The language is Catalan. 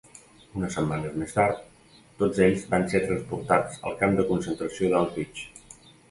Unes setmanes més tard, tots ells van ser transportats al camp de concentració d'Auschwitz.